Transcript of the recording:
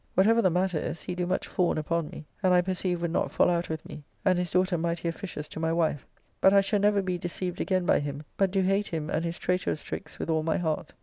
Whatever the matter is, he do much fawn upon me, and I perceive would not fall out with me, and his daughter mighty officious to my wife, but I shall never be deceived again by him, but do hate him and his traitorous tricks with all my heart.